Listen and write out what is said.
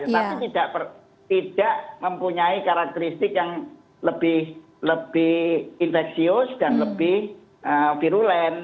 tapi tidak mempunyai karakteristik yang lebih infeksius dan lebih virulen